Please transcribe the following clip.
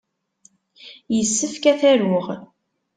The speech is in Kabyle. Yessefk ad t-aruɣ.